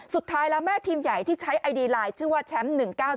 สุดท้ายแล้วแม่ทีมใหญ่ที่ใช้ไอดีไลน์ชื่อว่าแชมป์๑๙๙